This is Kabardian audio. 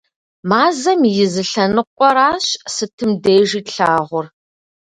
Мазэм и зы лъэныкъуэращ сытым дежи тлъагъур.